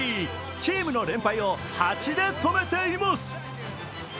チームの連敗を８で止めています。